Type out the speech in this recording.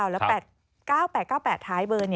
แล้ว๘๙๘๙๘ท้ายเบอร์